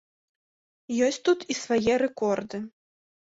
Ёсць тут і свае рэкорды.